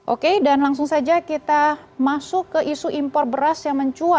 oke dan langsung saja kita masuk ke isu impor beras yang mencuat